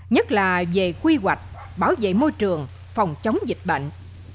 nhất là về quy hoạch bảo vệ môi trường phòng chống dịch bệnh